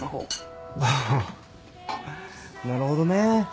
ハハなるほどね。